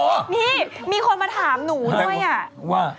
นี่มีคนมาถามหนูด้วยอ่ะว่า